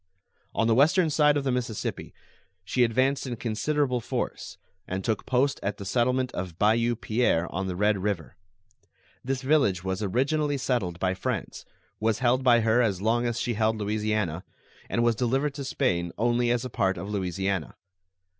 On the western side of the Mississippi she advanced in considerable force, and took post at the settlement of Bayou Pierre, on the Red River. This village was originally settled by France, was held by her as long as she held Louisiana, and was delivered to Spain only as a part of Louisiana.